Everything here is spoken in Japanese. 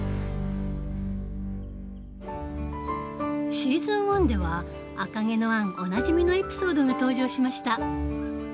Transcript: シーズン１では「赤毛のアン」おなじみのエピソードが登場しました。